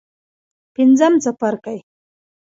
پنځم څپرکی.